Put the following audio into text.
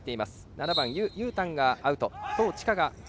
７番の兪裕たんがアウト。